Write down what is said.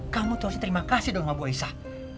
kamu tuh harusnya terima kasih dong sama ibu aisyah